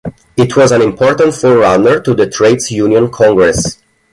It was an important forerunner to the Trades Union Congress.